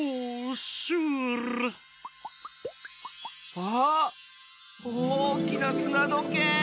あっおおきなすなどけい！